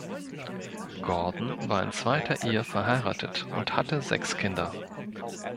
Gordon war in zweiter Ehe verheiratet und hatte sechs Kinder.